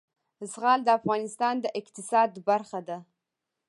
زغال د افغانستان د اقتصاد برخه ده.